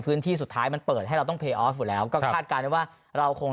พื้นที่สุดท้ายมันเปิดให้เราต้องแล้วก็คาดการว่าเราคง